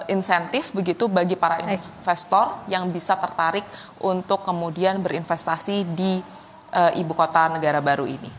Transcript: insentif begitu bagi para investor yang bisa tertarik untuk kemudian berinvestasi di ibu kota negara baru ini